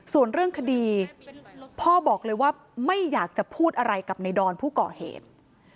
ส่วนเรื่องคดีพ่อบอกเลยว่าไม่อยากจะพูดอะไรกับในดอนผู้ก่อเหตุ